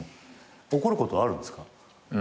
怒ることあるんですか？